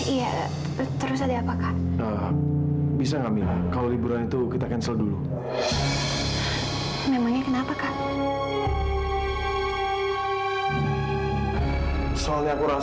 iya terus ada apa kak bisa nggak kalau liburan itu kita cancel dulu memangnya kenapa kak